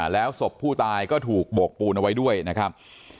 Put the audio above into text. แล้วศพผู้ตายก็ถูกโบกปูนเอาไว้ด้วยนะครับ